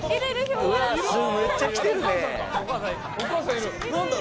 めっちゃ来てるね。